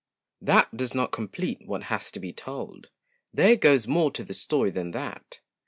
That does not complete what has to be told. There goes more to the story than that.